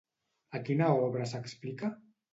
A quina obra s'explica?